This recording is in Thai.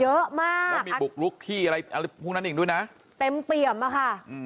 เยอะมากแล้วมีบุกลุกที่อะไรอะไรพวกนั้นอีกด้วยนะเต็มเปี่ยมอ่ะค่ะอืม